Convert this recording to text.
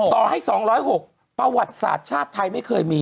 ต่อให้๒๐๖ประวัติศาสตร์ชาติไทยไม่เคยมี